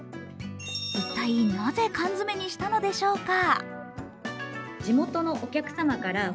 一体なぜ缶詰にしたのでしょうか。